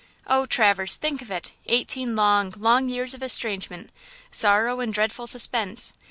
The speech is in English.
"Oh, Traverse, think of it! eighteen long, long years of estrangement, sorrow and dreadful suspense!